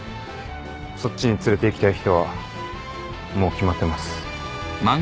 そっちに連れていきたい人はもう決まってます